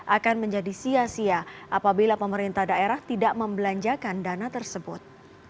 akan menjadi sia sia apabila pemerintah daerah tidak membelanjakan dana tersebut